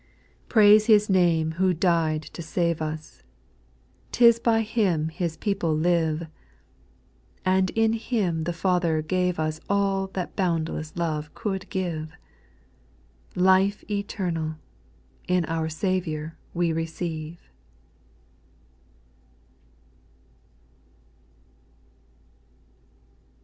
4. Praise His name who died to save us, 'T is by Him His people live : And in Him the Father gave us All that boundless love could give : Life eternal, In our Saviour we receive.